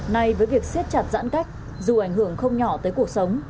nay với việc siết chặt giãn cách dù ảnh hưởng không nhỏ tới cuộc sống